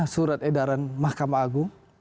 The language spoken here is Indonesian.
surat edaran mahkamah agung